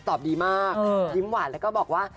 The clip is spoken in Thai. ตอบดีมากยิ้มหวานแล้วก็บอกว่า